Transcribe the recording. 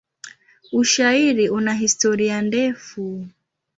Ushairi una historia ndefu.